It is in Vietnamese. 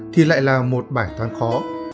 thì lại là một bài toán khó